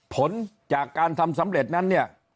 ผลจากการทำสำเร็จนั้นเนี่ย